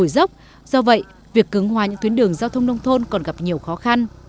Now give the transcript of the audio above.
dốc do vậy việc cứng hòa những tuyến đường giao thông nông thôn còn gặp nhiều khó khăn